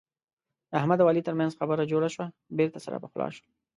د احمد او علي ترمنځ خبره جوړه شوه. بېرته سره پخلا شول.